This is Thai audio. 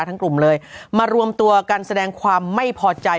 กลุ่มเลยมารวมตัวกันแสดงความไม่พอใจ